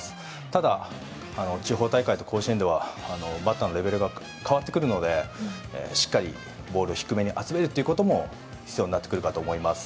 ただ、地方大会と甲子園ではバッターのレベルが変わってくるのでしっかりボールを低めに集めるということも必要になってくるかと思います。